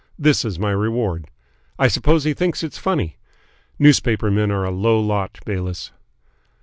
This is my reward. I suppose he thinks it funny. Newspaper men are a low lot, Bayliss."